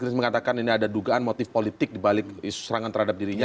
chris mengatakan ini ada dugaan motif politik dibalik isu serangan terhadap dirinya